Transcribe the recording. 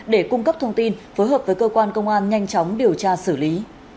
để cung cấp thông tin phối hợp với cơ quan công an nhanh chóng điều tra xử lý